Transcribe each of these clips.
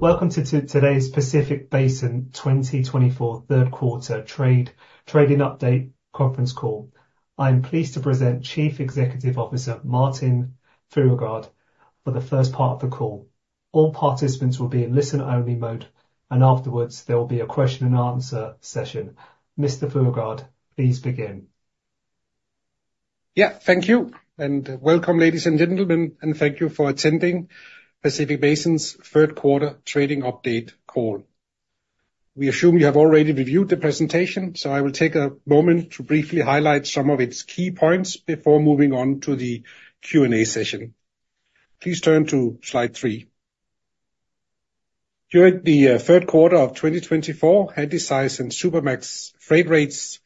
Welcome to today's Pacific Basin 2024 Third Quarter Trading Update Conference Call. I'm pleased to present Chief Executive Officer, Martin Fruergaard, for the first part of the call. All participants will be in listen-only mode, and afterwards, there will be a question and answer session. Mr. Fruergaard, please begin. Yeah, thank you, and welcome, ladies and gentlemen, and thank you for attending Pacific Basin's third quarter trading update call. We assume you have already reviewed the presentation, so I will take a moment to briefly highlight some of its key points before moving on to the Q&A session. Please turn to slide three. During the third quarter of 2024 Handysize and Supramax freight rates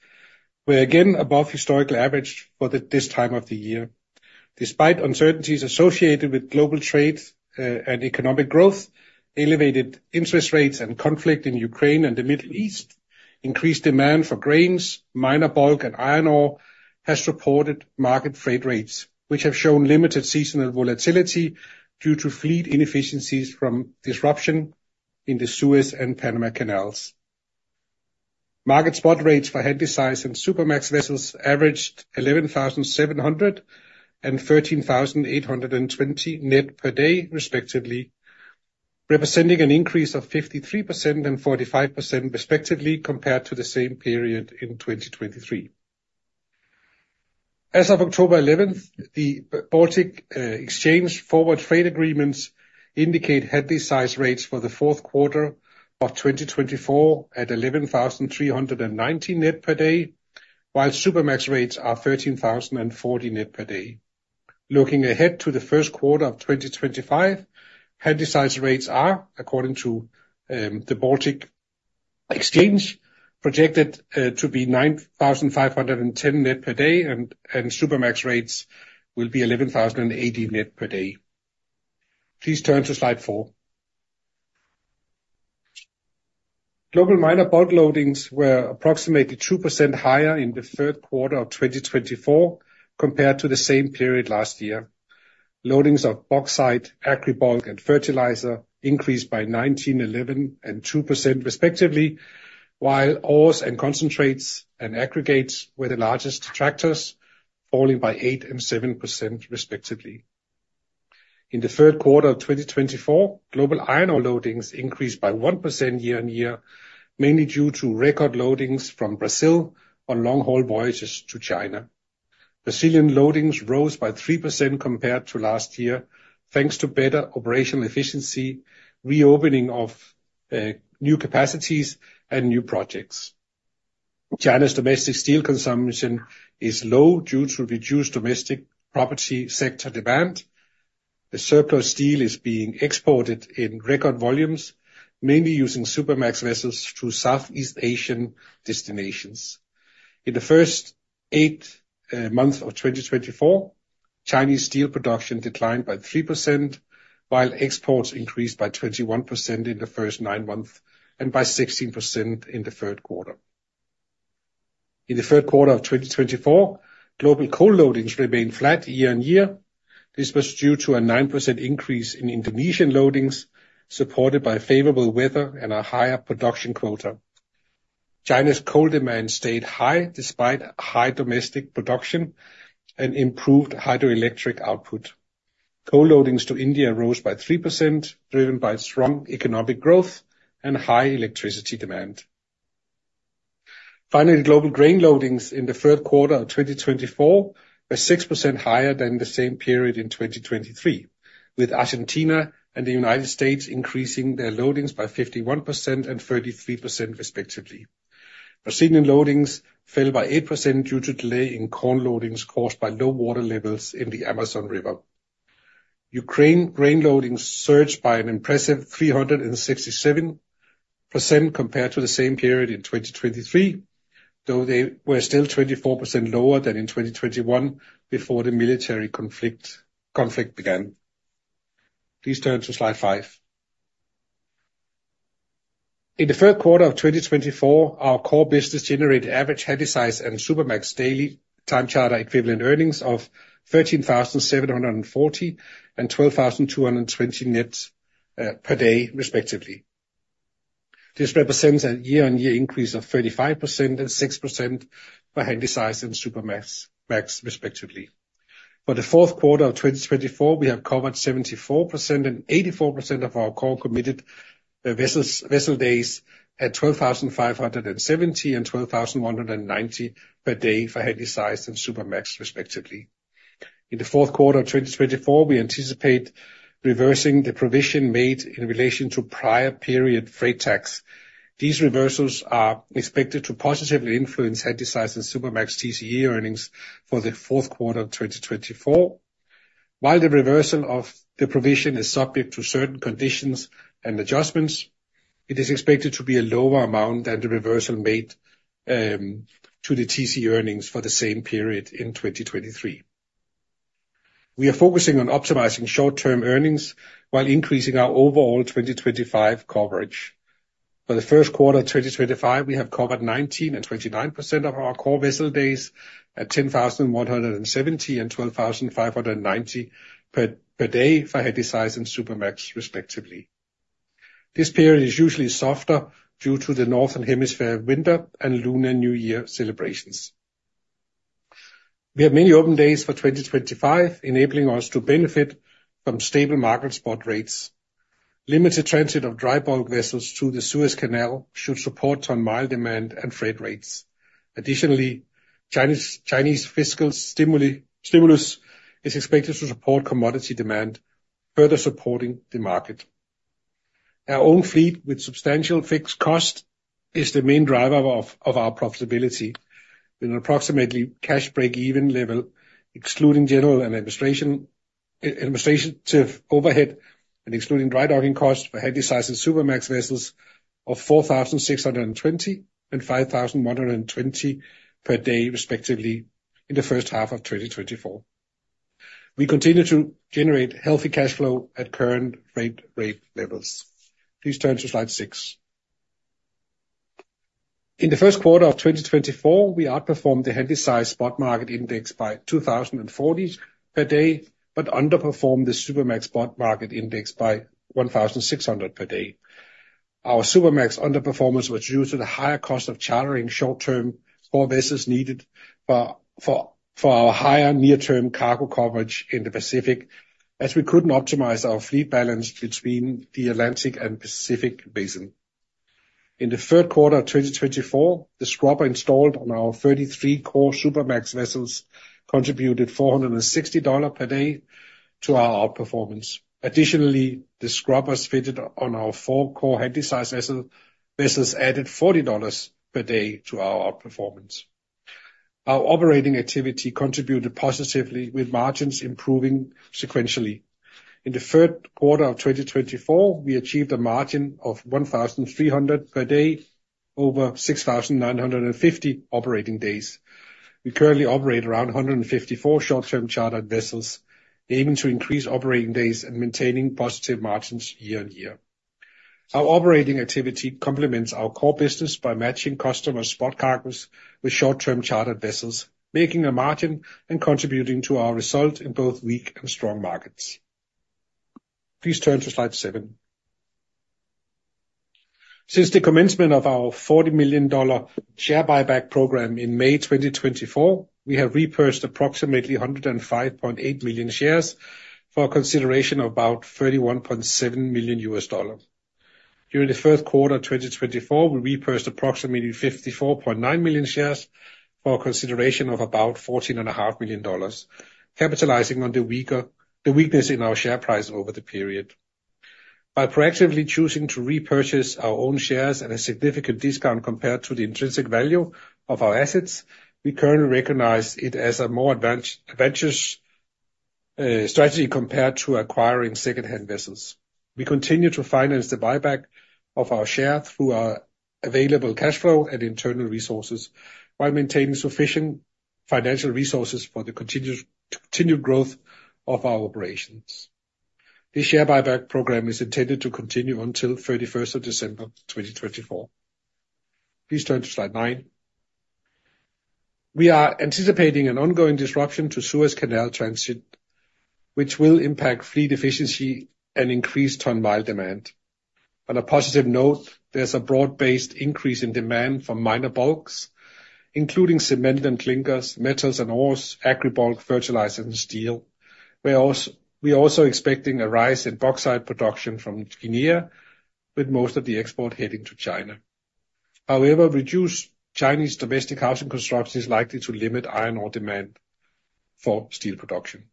were again above historical average for this time of the year. Despite uncertainties associated with global trade, and economic growth, elevated interest rates and conflict in Ukraine and the Middle East, increased demand for grains, minor bulk, and iron ore has supported market freight rates, which have shown limited seasonal volatility due to fleet inefficiencies from disruption in the Suez and Panama Canals. Market spot rates for Handysize and Supramax vessels averaged $11,700 and $ 13,820 net per day, respectively, representing an increase of 53% and 45% respectively, compared to the same period in 2023. As of October eleventh, the Baltic Exchange forward freight agreements indicate Handysize rates for the fourth quarter of 2024 at 11,390 net per day, while Supramax rates are $13,040 net per day. Looking ahead to the first quarter of 2025, Handysize rates are, according to the Baltic Exchange, projected to be $9,510 net per day, and Supramax rates will be $11,080 net per day. Please turn to slide four. Global minor bulk loadings were approximately 2% higher in the third quarter of 2024 compared to the same period last year. Loadings of bauxite, agribulk, and fertilizer increased by 19%, 11%, and 2% respectively, while ores and concentrates and aggregates were the largest detractors, falling by 8% and 7%, respectively. In the third quarter of 2024, global iron ore loadings increased by 1% year on year, mainly due to record loadings from Brazil on long-haul voyages to China. Brazilian loadings rose by 3% compared to last year, thanks to better operational efficiency, reopening of new capacities, and new projects. China's domestic steel consumption is low due to reduced domestic property sector demand. The surplus steel is being exported in record volumes, mainly using Supramax vessels through Southeast Asian destinations. In the first eight months of 2024, Chinese steel production declined by 3%, while exports increased by 21% in the first nine months, and by 16% in the third quarter. In the third quarter of 2024, global coal loadings remained flat year on year. This was due to a 9% increase in Indonesian loadings, supported by favorable weather and a higher production quota. China's coal demand stayed high, despite high domestic production and improved hydroelectric output. Coal loadings to India rose by 3%, driven by strong economic growth and high electricity demand. Finally, global grain loadings in the third quarter of 2024 were 6% higher than the same period in 2023, with Argentina and the United States increasing their loadings by 51% and 33%, respectively. Brazilian loadings fell by 8% due to delay in corn loadings caused by low water levels in the Amazon River. Ukraine grain loadings surged by an impressive 367% compared to the same period in 2023, though they were still 24% lower than in 2021 before the military conflict began. Please turn to slide five. In the third quarter of 2024, our core business generated average Handysize and Supramax daily time charter equivalent earnings of $13,740 and $12,220 net per day, respectively. This represents a year-on-year increase of 35% and 6% for Handysize and Supramax, respectively. For the fourth quarter of 2024, we have covered 74% and 84% of our core committed vessel days at $12,500 and $12,190 per day for Handysize and Supramax, respectively. In the fourth quarter of 2024, we anticipate reversing the provision made in relation to prior period freight tax. These reversals are expected to positively influence Handysize and Supramax TCE earnings for the fourth quarter of 2024. While the reversal of the provision is subject to certain conditions and adjustments, it is expected to be a lower amount than the reversal made to the TCE earnings for the same period in 2023. We are focusing on optimizing short-term earnings while increasing our overall 2025 coverage.... For the first quarter of 2025, we have covered 19% and 29% of our core vessel days at $10,170 and $12,590 per day for Handysize and Supramax, respectively. This period is usually softer due to the Northern Hemisphere winter and Lunar New Year celebrations. We have many open days for 2025, enabling us to benefit from stable market spot rates. Limited transit of dry bulk vessels through the Suez Canal should support ton-mile demand and freight rates. Additionally, Chinese fiscal stimulus is expected to support commodity demand, further supporting the market. Our own fleet, with substantial fixed cost, is the main driver of our profitability, with an approximately cash breakeven level, excluding general and administrative overhead and excluding dry docking costs for Handysize and Supramax vessels of $4,620 and $5,120 per day, respectively, in the first half of 2024. We continue to generate healthy cash flow at current rate levels. Please turn to slide 6. In the first quarter of 2024, we outperformed the Handysize spot market index by $2,040 per day, but underperformed the Supramax spot market index by $1,600 per day. Our Supramax underperformance was due to the higher cost of chartering short-term core vessels needed for our higher near-term cargo coverage in the Pacific, as we couldn't optimize our fleet balance between the Atlantic and Pacific Basin. In the third quarter of 2024, the scrubber installed on our 33 core Supramax vessels contributed $460 per day to our outperformance. Additionally, the scrubbers fitted on our four core Handysize vessels added $40 per day to our outperformance. Our operating activity contributed positively, with margins improving sequentially. In the third quarter of 2024, we achieved a margin of $1,300 per day over 6,950 operating days. We currently operate around 154 short-term chartered vessels, aiming to increase operating days and maintaining positive margins year on year. Our operating activity complements our core business by matching customer spot cargoes with short-term chartered vessels, making a margin and contributing to our result in both weak and strong markets. Please turn to slide 7. Since the commencement of our $40 million share buyback program in May 2024, we have repurchased approximately 105.8 million shares for a consideration of about $31.7 million. During the first quarter of 2024, we repurchased approximately 54.9 million shares for a consideration of about $14.5 million, capitalizing on the weakness in our share price over the period. By proactively choosing to repurchase our own shares at a significant discount compared to the intrinsic value of our assets, we currently recognize it as a more advantageous strategy compared to acquiring secondhand vessels. We continue to finance the buyback of our share through our available cash flow and internal resources, while maintaining sufficient financial resources for the continuous, continued growth of our operations. This share buyback program is intended to continue until 31st of December 2024. Please turn to slide nine. We are anticipating an ongoing disruption to Suez Canal transit, which will impact fleet efficiency and increase ton-mile demand. On a positive note, there's a broad-based increase in demand for minor bulks, including cement and clinkers, metals and ores, agribulk, fertilizer, and steel. We're also expecting a rise in bauxite production from Guinea, with most of the export heading to China. However, reduced Chinese domestic housing construction is likely to limit iron ore demand for steel production.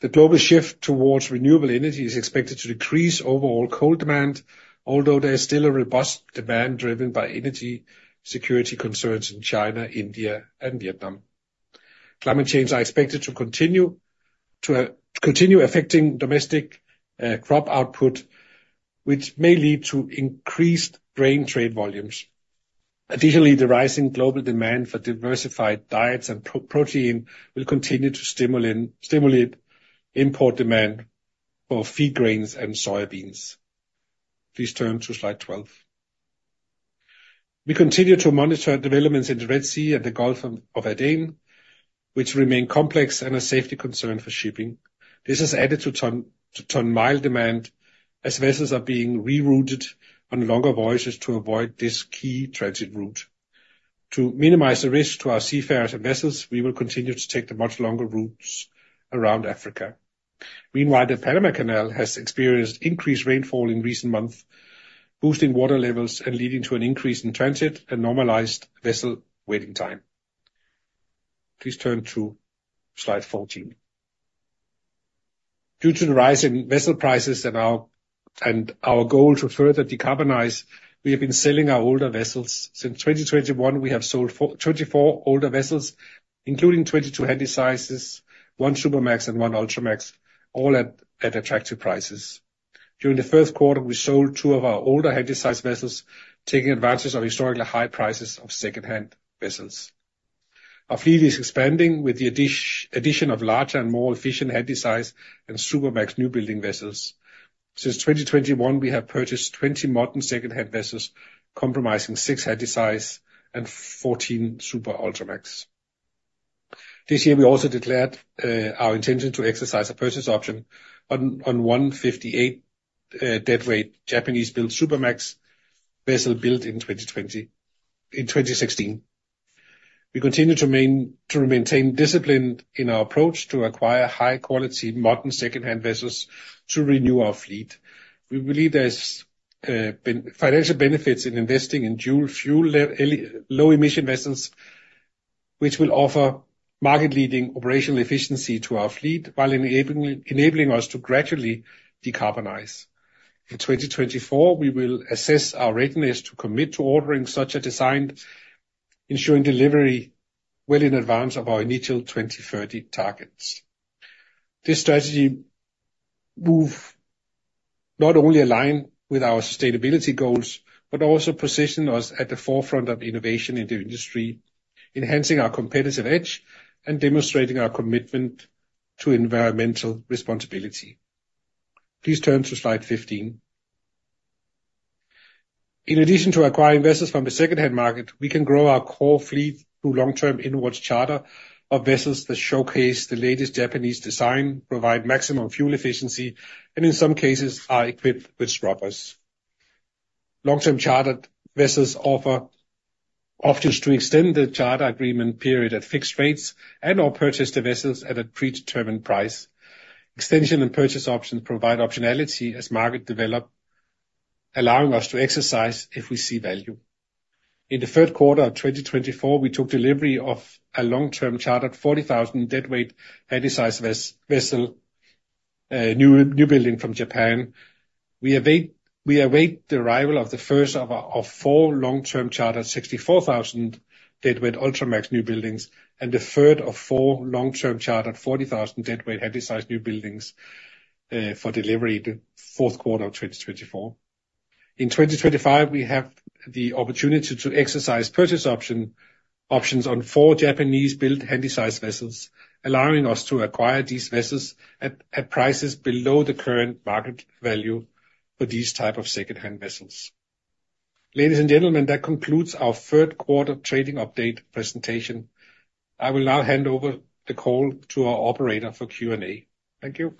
The global shift towards renewable energy is expected to decrease overall coal demand, although there is still a robust demand driven by energy security concerns in China, India, and Vietnam. Climate change are expected to continue affecting domestic crop output, which may lead to increased grain trade volumes. Additionally, the rising global demand for diversified diets and protein will continue to stimulate import demand for feed grains and soybeans. Please turn to slide 12. We continue to monitor developments in the Red Sea and the Gulf of Aden, which remain complex and a safety concern for shipping. This has added to ton-mile demand, as vessels are being rerouted on longer voyages to avoid this key transit route. To minimize the risk to our seafarers and vessels, we will continue to take the much longer routes around Africa. Meanwhile, the Panama Canal has experienced increased rainfall in recent months, boosting water levels and leading to an increase in transit and normalized vessel waiting time. Please turn to slide 14. Due to the rise in vessel prices and our goal to further decarbonize, we have been selling our older vessels. Since 2021, we have sold 24 older vessels, including 22 Handysizes, one Supramax, and one Ultramax, all at attractive prices. During the first quarter, we sold two of our older Handysize vessels, taking advantage of historically high prices of secondhand vessels. Our fleet is expanding with the addition of larger and more efficient Handysize and Supramax newbuilding vessels. Since 2021, we have purchased 20 modern second-hand vessels, comprising six Handysize and 14 Supra, Ultramax. This year, we also declared our intention to exercise a purchase option on 58,000 deadweight Japanese-built Supramax vessel, built in 2016. We continue to maintain discipline in our approach to acquire high quality, modern second-hand vessels to renew our fleet. We believe there's financial benefits in investing in dual fuel low emission vessels, which will offer market-leading operational efficiency to our fleet, while enabling us to gradually decarbonize. In 2024, we will assess our readiness to commit to ordering such a design, ensuring delivery well in advance of our initial 2030 targets. This strategy move not only align with our sustainability goals, but also position us at the forefront of innovation in the industry, enhancing our competitive edge and demonstrating our commitment to environmental responsibility. Please turn to slide 15. In addition to acquiring vessels from the second-hand market, we can grow our core fleet through long-term inwards charter of vessels that showcase the latest Japanese design, provide maximum fuel efficiency, and in some cases are equipped with scrubbers. Long-term chartered vessels offer options to extend the charter agreement period at fixed rates and/or purchase the vessels at a predetermined price. Extension and purchase options provide optionality as market develop, allowing us to exercise if we see value. In the third quarter of 2024, we took delivery of a long-term chartered 40,000 deadweight Handysize vessel, newbuilding from Japan. We await the arrival of the first of our four long-term charter, 64,000 deadweight Ultramax newbuildings, and the third of four long-term chartered 40,000 deadweight Handysize newbuildings, for delivery in the fourth quarter of 2024. In 2025, we have the opportunity to exercise purchase options on four Japanese-built Handysize vessels, allowing us to acquire these vessels at prices below the current market value for these type of second-hand vessels. Ladies and gentlemen, that concludes our third quarter trading update presentation. I will now hand over the call to our operator for Q&A. Thank you.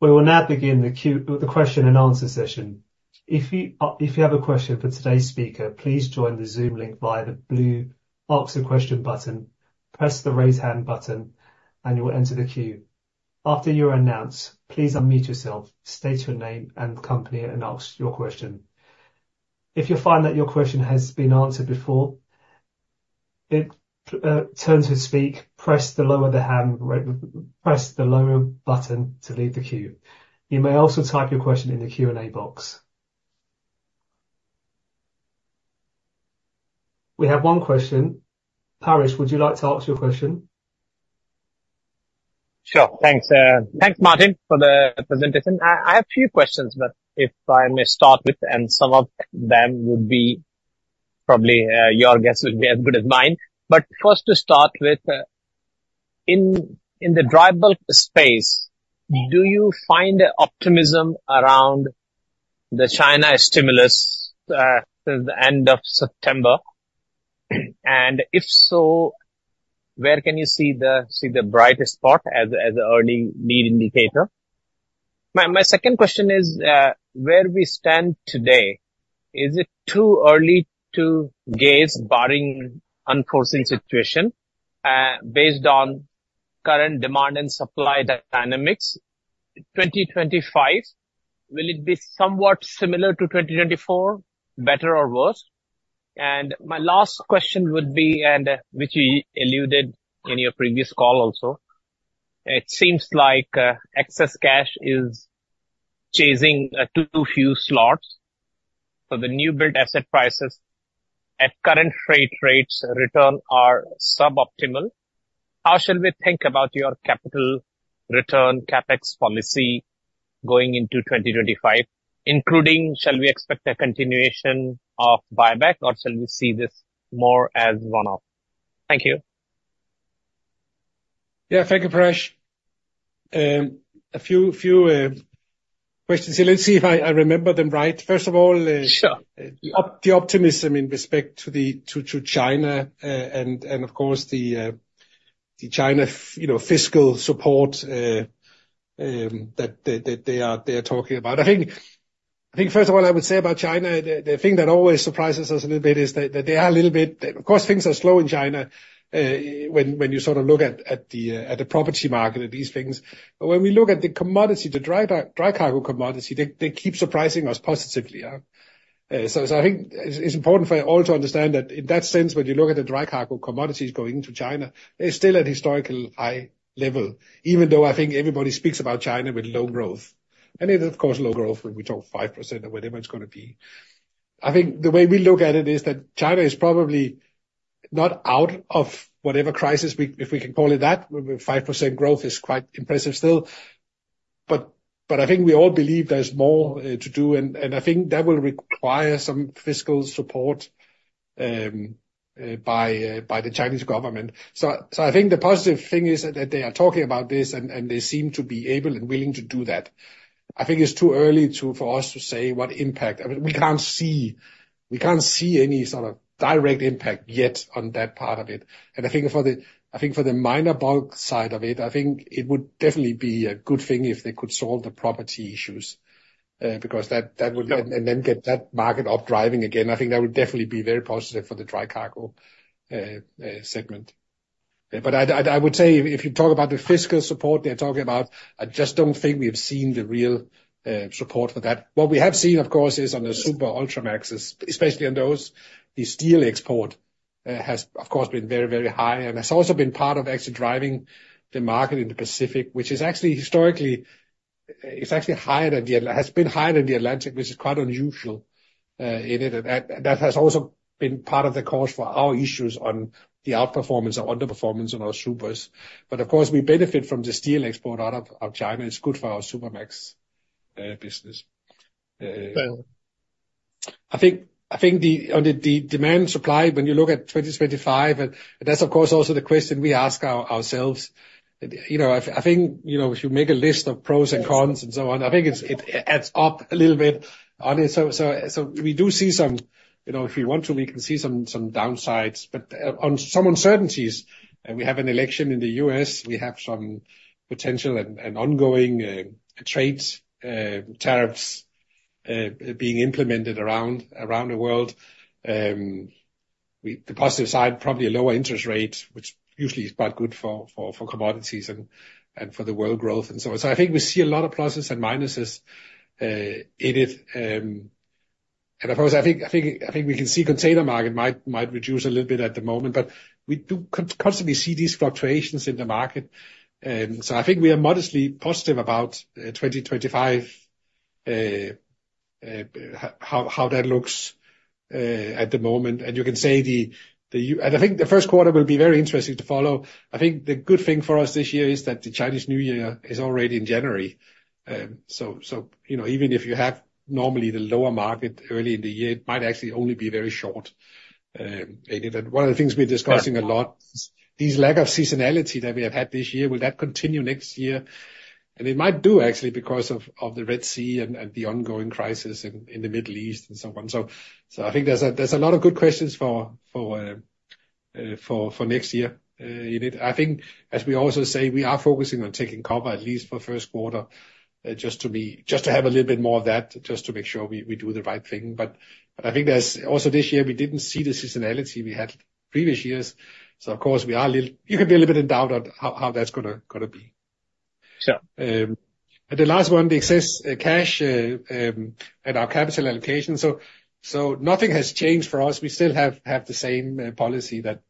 We will now begin the question and answer session. If you have a question for today's speaker, please join the Zoom link via the blue Ask a Question button, press the Raise Hand button, and you will enter the queue. After you are announced, please unmute yourself, state your name and company, and ask your question. If you find that your question has been answered before your turn to speak, press the Lower Hand button to leave the queue. You may also type your question in the Q&A box. We have one question. Parash, would you like to ask your question? Sure. Thanks, Martin, for the presentation. I have a few questions, but if I may start with and some of them would be probably your guess would be as good as mine. But first, to start with, in the dry bulk space- Mm-hmm. Do you find optimism around the China stimulus since the end of September? And if so, where can you see the brightest spot as an early lead indicator? My second question is, where we stand today, is it too early to gauge, barring unforeseen situation, based on current demand and supply dynamics, 2025, will it be somewhat similar to 2024, better or worse? And my last question would be, which you alluded in your previous call also, it seems like excess cash is chasing too few slots. So the newbuild asset prices at current freight rates return are suboptimal. How shall we think about your capital return, CapEx policy going into 2025, including, shall we expect a continuation of buyback or shall we see this more as one-off? Thank you. Yeah. Thank you, Parash. A few questions. So let's see if I remember them right. First of all, Sure The optimism in respect to China, and of course, the China fiscal support, you know, that they are talking about. I think, first of all, I would say about China, the thing that always surprises us a little bit is that they are a little bit, of course, things are slow in China, when you sort of look at the property market and these things, but when we look at the commodity, the dry cargo commodity, they keep surprising us positively. I think it's important for you all to understand that in that sense, when you look at the dry cargo commodities going to China, they're still at historical high level, even though I think everybody speaks about China with low growth. And it, of course, low growth, when we talk 5% or whatever it's gonna be. I think the way we look at it is that China is probably not out of whatever crisis, if we can call it that, where 5% growth is quite impressive still. But I think we all believe there's more to do, and I think that will require some fiscal support by the Chinese government. I think the positive thing is that they are talking about this, and they seem to be able and willing to do that. I think it's too early for us to say what impact. I mean, we can't see any sort of direct impact yet on that part of it. I think for the minor bulk side of it, I think it would definitely be a good thing if they could solve the property issues, because that would. And then get that market up driving again, I think that would definitely be very positive for the dry cargo segment. But I would say, if you talk about the fiscal support they're talking about, I just don't think we've seen the real support for that. What we have seen, of course, is on the Supra, Ultramaxes, especially on those, the steel export has, of course, been very, very high, and has also been part of actually driving the market in the Pacific, which is actually historically higher than the Atlantic, which is quite unusual in it. And that has also been part of the cause for our issues on the outperformance or underperformance on our Supras. But of course, we benefit from the steel export out of China. It's good for our Supramax business. I think on the demand supply, when you look at 2025, and that's, of course, also the question we ask ourselves. You know, I think, you know, if you make a list of pros and cons and so on, I think it adds up a little bit on it. So we do see some. You know, if we want to, we can see some downsides. But on some uncertainties, we have an election in the U.S., we have some potential and ongoing trade tariffs being implemented around the world. The positive side, probably a lower interest rate, which usually is quite good for commodities and for world growth and so on. So I think we see a lot of pluses and minuses in it. Of course, I think we can see container market might reduce a little bit at the moment, but we do constantly see these fluctuations in the market. So I think we are modestly positive about 2025, how that looks at the moment. I think the first quarter will be very interesting to follow. I think the good thing for us this year is that the Chinese New Year is already in January. So, you know, even if you have normally the lower market early in the year, it might actually only be very short, and one of the things we're discussing a lot, this lack of seasonality that we have had this year, will that continue next year? It might do, actually, because of the Red Sea and the ongoing crisis in the Middle East and so on. So I think there's a lot of good questions for next year in it. I think, as we also say, we are focusing on taking cover, at least for first quarter, just to be, just to have a little bit more of that, just to make sure we do the right thing. But I think there's also this year, we didn't see the seasonality we had previous years. So of course, we are a little. You can be a little bit in doubt on how that's gonna be. Yeah. And the last one, the excess cash and our capital allocation. So nothing has changed for us. We still have the same policy that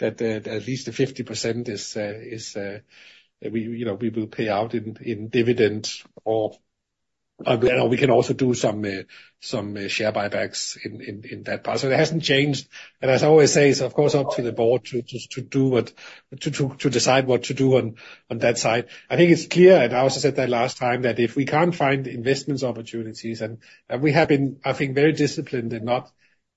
at least the 50% is we, you know, we will pay out in dividends or we can also do some share buybacks in that part. So it hasn't changed. And as I always say, it's of course up to the board to decide what to do on that side. I think it's clear, and I also said that last time, that if we can't find investment opportunities, and we have been, I think, very disciplined in not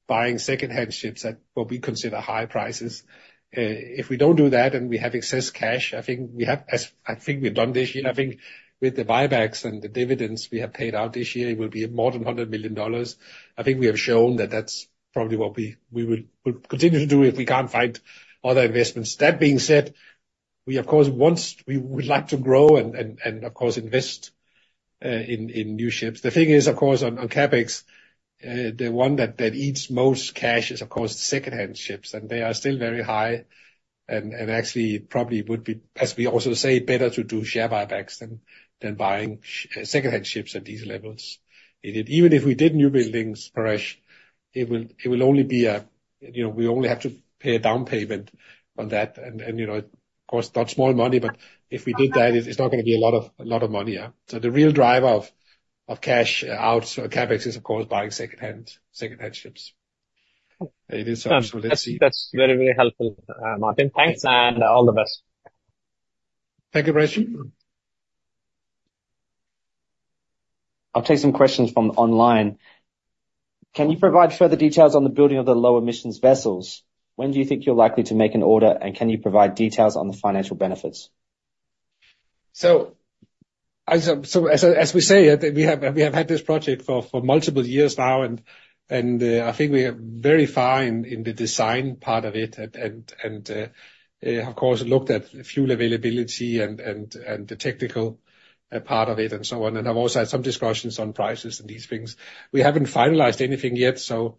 buying secondhand ships at what we consider high prices. If we don't do that and we have excess cash, I think, as we've done this year, with the buybacks and the dividends we have paid out this year, it will be more than $100 million. I think we have shown that that's probably what we will continue to do if we can't find other investments. That being said, we, of course, would like to grow and, of course, invest in new ships. The thing is, of course, on CapEx, the one that eats most cash is, of course, secondhand ships, and they are still very high and actually probably would be, as we also say, better to do share buybacks than buying secondhand ships at these levels. Even if we did newbuildings, Parash, it will, it will only be a, you know, we only have to pay a down payment on that. And, and, you know, of course, not small money, but if we did that, it's not going to be a lot of, a lot of money, yeah. So the real driver of, of cash out CapEx is, of course, buying secondhand, secondhand ships. It is absolutely- That's, that's very, very helpful, Martin. Thanks, and all the best. Thank you, Parash. I'll take some questions from online. Can you provide further details on the building of the low-emissions vessels? When do you think you're likely to make an order, and can you provide details on the financial benefits? As we say, we have had this project for multiple years now, and I think we are very fine in the design part of it and of course looked at fuel availability and the technical part of it and so on, and have also had some discussions on prices and these things. We haven't finalized anything yet, so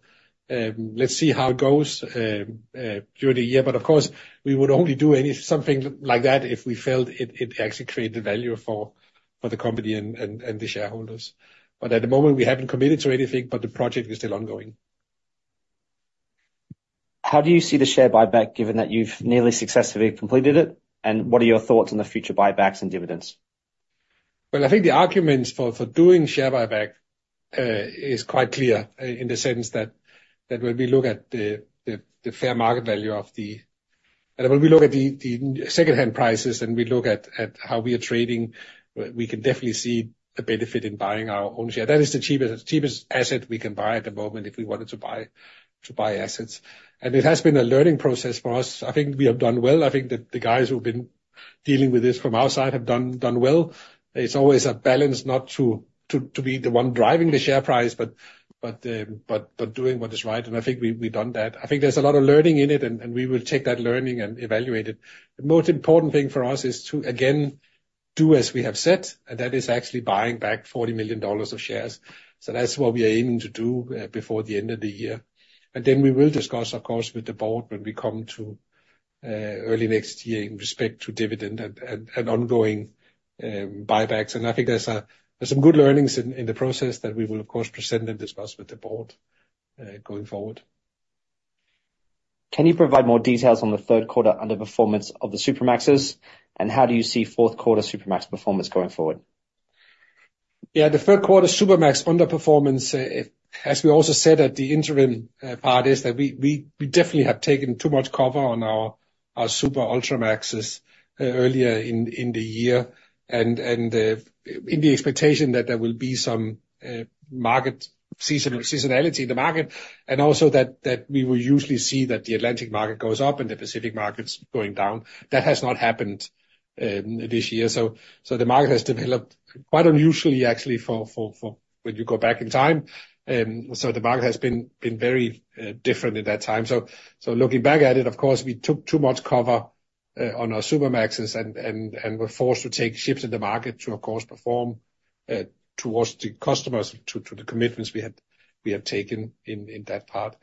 let's see how it goes during the year. But of course, we would only do something like that if we felt it actually created value for the company and the shareholders. But at the moment, we haven't committed to anything, but the project is still ongoing. How do you see the share buyback, given that you've nearly successfully completed it? And what are your thoughts on the future buybacks and dividends? I think the arguments for doing share buyback is quite clear in the sense that when we look at the fair market value and when we look at the secondhand prices and we look at how we are trading, we can definitely see a benefit in buying our own share. That is the cheapest asset we can buy at the moment if we wanted to buy assets. It has been a learning process for us. I think we have done well. I think that the guys who've been dealing with this from our side have done well. It's always a balance not to be the one driving the share price, but doing what is right, and I think we've done that. I think there's a lot of learning in it, and we will take that learning and evaluate it. The most important thing for us is to, again, do as we have said, and that is actually buying back $40 million of shares. That's what we are aiming to do before the end of the year. Then we will discuss, of course, with the board when we come to early next year in respect to dividend and ongoing buybacks. I think there's some good learnings in the process that we will, of course, present and discuss with the board going forward. Can you provide more details on the third quarter underperformance of the Supramaxes, and how do you see fourth quarter Supramax performance going forward? Yeah, the third quarter Supramax underperformance, as we also said at the interim part, is that we definitely have taken too much cover on our Supra, Ultramaxes earlier in the year, and in the expectation that there will be some market seasonality in the market, and also that we will usually see that the Atlantic market goes up and the Pacific markets going down. That has not happened this year, so the market has developed quite unusually, actually, for when you go back in time, so the market has been very different in that time. Looking back at it, of course, we took too much cover on our Supramaxes and were forced to take ships in the market to, of course, perform towards the customers, to the commitments we had - we have taken in that part.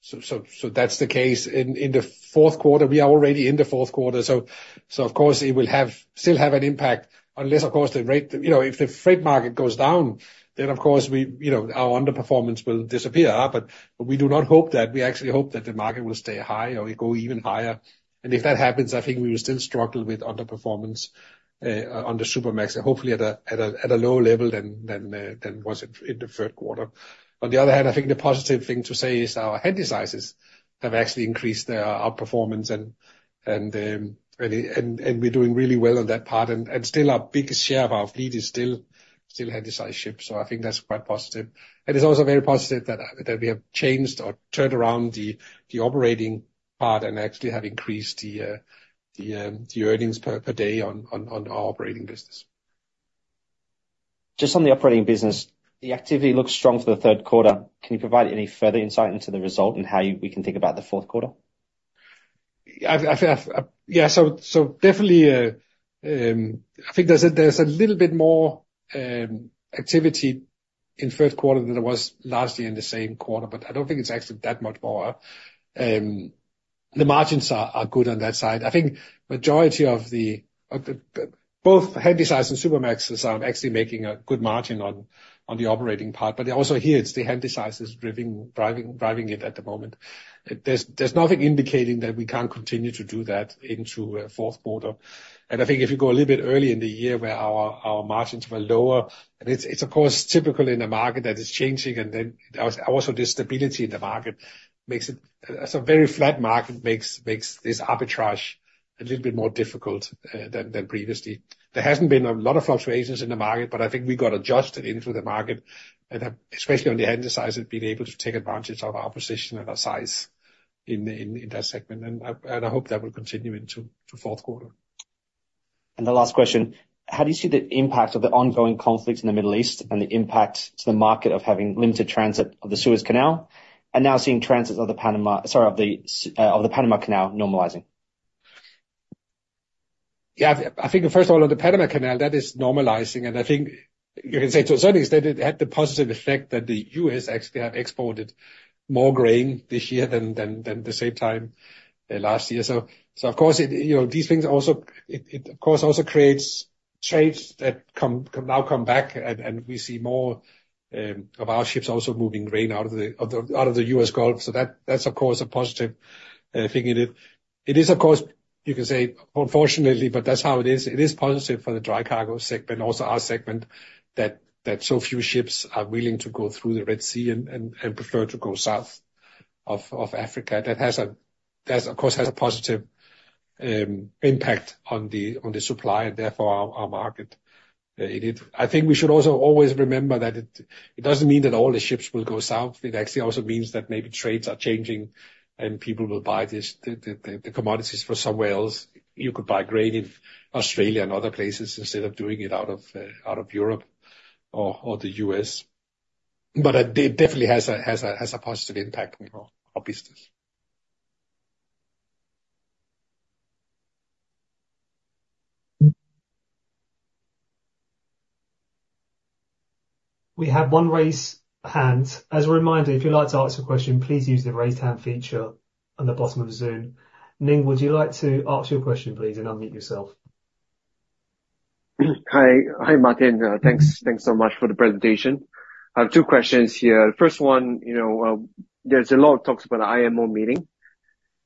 So that's the case. In the fourth quarter. We are already in the fourth quarter, so of course, it will still have an impact, unless, of course, the rate. You know, if the freight market goes down, then of course we, you know, our underperformance will disappear. But we do not hope that. We actually hope that the market will stay high or it go even higher. If that happens, I think we will still struggle with underperformance on the Supramax, and hopefully at a lower level than was in the third quarter. On the other hand, I think the positive thing to say is our Handysizes have actually increased our performance, and we're doing really well on that part. Still our biggest share of our fleet is still Handysize ships, so I think that's quite positive. It's also very positive that we have changed or turned around the operating part and actually have increased the earnings per day on our operating business. Just on the operating business, the activity looks strong for the third quarter. Can you provide any further insight into the result and how you, we can think about the fourth quarter? I feel. Yeah, so definitely, I think there's a little bit more activity in third quarter than there was largely in the same quarter, but I don't think it's actually that much more. The margins are good on that side. I think majority of the both Handysize and Supramaxes are actually making a good margin on the operating part. But also here, it's the Handysizes driving it at the moment. There's nothing indicating that we can't continue to do that into fourth quarter. And I think if you go a little bit early in the year where our margins were lower, and it's of course typical in a market that is changing. And then also this stability in the market makes it... So very flat market makes this arbitrage a little bit more difficult than previously. There hasn't been a lot of fluctuations in the market, but I think we got adjusted into the market, and especially on the Handysize, have been able to take advantage of our position and our size in that segment. And I hope that will continue into the fourth quarter. And the last question. How do you see the impact of the ongoing conflict in the Middle East and the impact to the market of having limited transit of the Suez Canal, and now seeing transit of the Panama Canal normalizing? Yeah, I think first of all, on the Panama Canal, that is normalizing, and I think you can say to a certain extent, it had the positive effect that the U.S. actually have exported more grain this year than the same time last year. So of course, you know, these things also of course also creates trades that now come back, and we see more of our ships also moving grain out of the U.S. Gulf. So that's of course a positive thing in it. It is of course, you can say, unfortunately, but that's how it is. It is positive for the dry cargo segment, and also our segment, that so few ships are willing to go through the Red Sea and prefer to go south of Africa. That of course has a positive impact on the supply, therefore our market. It is. I think we should also always remember that it doesn't mean that all the ships will go south. It actually also means that maybe trades are changing, and people will buy the commodities from somewhere else. You could buy grain in Australia and other places instead of doing it out of Europe or the U.S. But it definitely has a positive impact on our business. We have one raised hand. As a reminder, if you'd like to ask a question, please use the Raise Hand feature on the bottom of the Zoom. Ning, would you like to ask your question, please, and unmute yourself? Hi, hi, Martin. Thanks, thanks so much for the presentation. I have two questions here. First one, you know, there's a lot of talks about the IMO meeting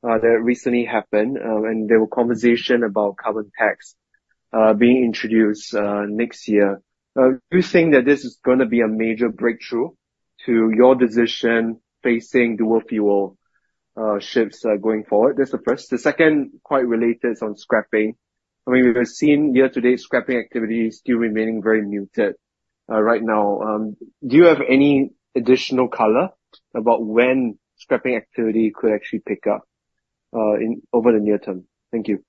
that recently happened, and there were conversation about carbon tax. being introduced next year. Do you think that this is going to be a major breakthrough to your decision facing dual-fuel ships going forward? That's the first. The second, quite related, is on scrapping. I mean, we've seen year-to-date scrapping activity still remaining very muted right now. Do you have any additional color about when scrapping activity could actually pick up in over the near term? Thank you.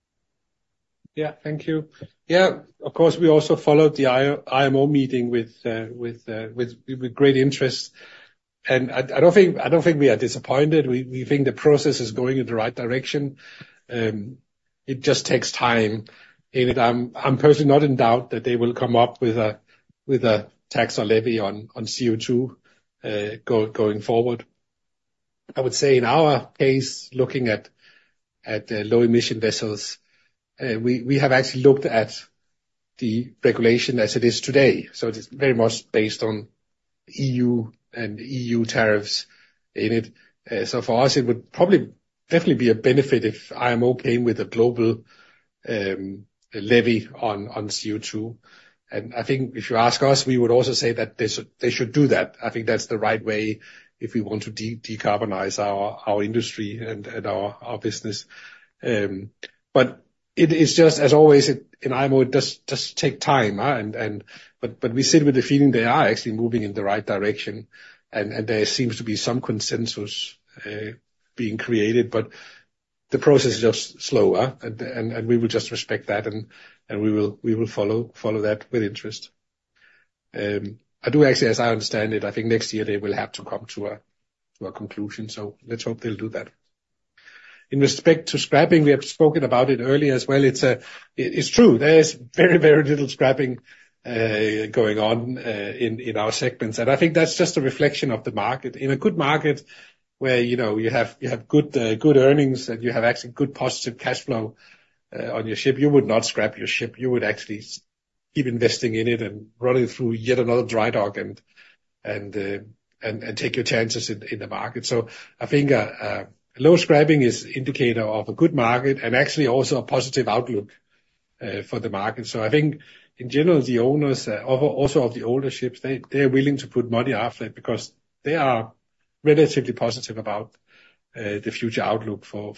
Yeah, thank you. Yeah, of course, we also followed the IMO meeting with great interest. I don't think we are disappointed. We think the process is going in the right direction. It just takes time, and I'm personally not in doubt that they will come up with a tax or levy on CO2 going forward. I would say in our case, looking at the low emission vessels, we have actually looked at the regulation as it is today. So it is very much based on EU and EU tariffs in it. So for us, it would probably definitely be a benefit if IMO came with a global levy on CO2. I think if you ask us, we would also say that they should, they should do that. I think that's the right way if we want to decarbonize our industry and our business. But it is just as always, in IMO, it does just take time. But we sit with the feeling they are actually moving in the right direction, and there seems to be some consensus being created. But the process is just slow, and we will just respect that, and we will follow that with interest. I do actually, as I understand it, I think next year they will have to come to a conclusion, so let's hope they'll do that. In respect to scrapping, we have spoken about it earlier as well. It's true, there is very, very little scrapping going on in our segments. And I think that's just a reflection of the market. In a good market, where you know you have good earnings, and you have actually good positive cash flow on your ship, you would not scrap your ship. You would actually keep investing in it and run it through yet another dry dock and take your chances in the market. So I think low scrapping is indicator of a good market and actually also a positive outlook for the market. So I think in general, the owners also of the older ships, they, they're willing to put money out there because they are relatively positive about the future outlook for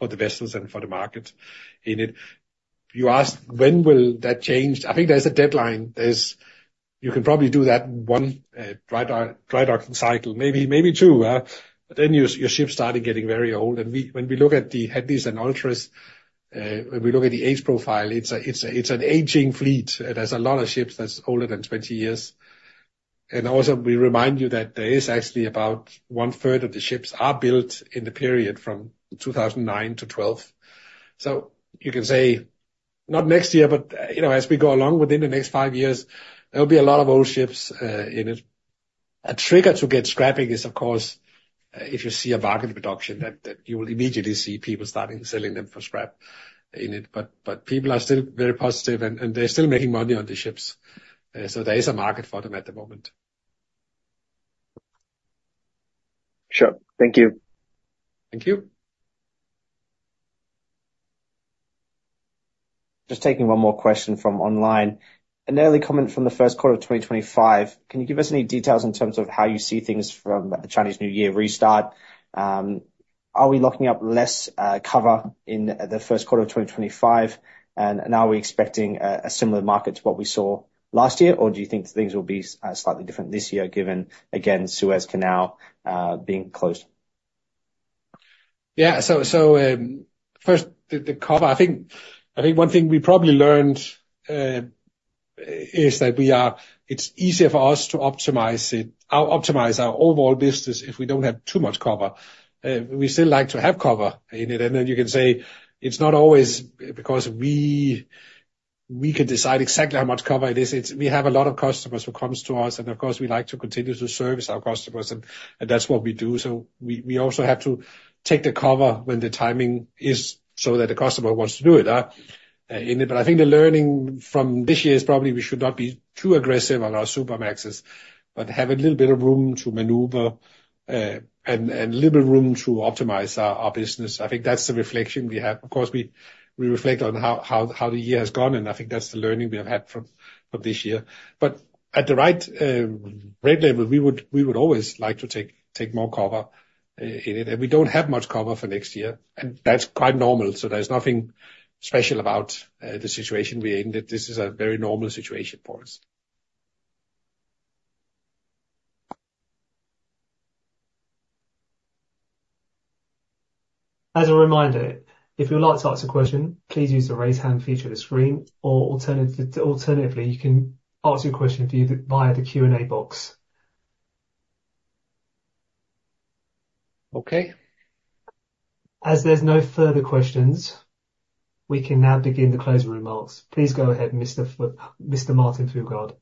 the vessels and for the market in it. You asked when will that change? I think there's a deadline. You can probably do that one dry dock, dry docking cycle, maybe two, but then your ship started getting very old. When we look at the Handys and Ultras, when we look at the age profile, it's an aging fleet. It has a lot of ships that's older than 20 years. And also, we remind you that there is actually about one-third of the ships are built in the period from 2009 to 2012. So you can say, not next year, but, you know, as we go along within the next five years, there will be a lot of old ships in it. A trigger to get scrapping is, of course, if you see a bargain production that you will immediately see people starting selling them for scrap in it. But people are still very positive, and they're still making money on the ships. So there is a market for them at the moment. Sure. Thank you. Thank you. Just taking one more question from online. An early comment from the first quarter of 2025, can you give us any details in terms of how you see things from the Chinese New Year restart? Are we looking at less cover in the first quarter of 2025? And are we expecting a similar market to what we saw last year, or do you think things will be slightly different this year, given, again, Suez Canal being closed? Yeah. So first, the cover. I think one thing we probably learned is that it's easier for us to optimize it, optimize our overall business if we don't have too much cover. We still like to have cover in it, and then you can say, it's not always because we can decide exactly how much cover it is. It's we have a lot of customers who comes to us, and of course, we like to continue to service our customers, and that's what we do. So we also have to take the cover when the timing is so that the customer wants to do it in it. But I think the learning from this year is probably we should not be too aggressive on our Supramaxes, but have a little bit of room to maneuver, and a little bit of room to optimize our business. I think that's the reflection we have. Of course, we reflect on how the year has gone, and I think that's the learning we have had from this year. But at the right rate level, we would always like to take more cover in it. And we don't have much cover for next year, and that's quite normal, so there's nothing special about the situation we're in, that this is a very normal situation for us. As a reminder, if you'd like to ask a question, please use the Raise Hand feature on the screen, or alternatively, you can ask your question via the Q&A box. Okay. As there's no further questions, we can now begin the closing remarks. Please go ahead, Mr. Martin Fruergaard.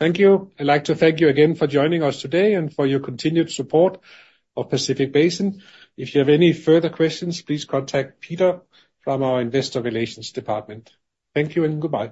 Thank you. I'd like to thank you again for joining us today and for your continued support of Pacific Basin. If you have any further questions, please contact Peter from our investor relations department. Thank you and goodbye.